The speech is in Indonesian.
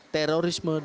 terorisme dan pidana